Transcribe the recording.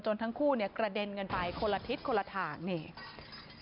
ทั้งคู่เนี่ยกระเด็นกันไปคนละทิศคนละทางนี่